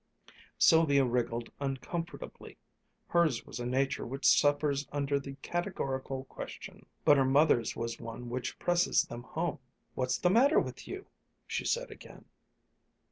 Sylvia wriggled uncomfortably. Hers was a nature which suffers under the categorical question; but her mother's was one which presses them home. "What's the matter with you?" she said again.